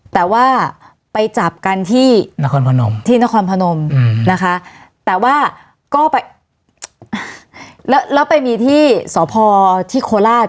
แต่ว่าไปจับกันที่นครพนมที่นครพนมนะคะแต่ว่าก็ไปแล้วแล้วไปมีที่สพที่โคราช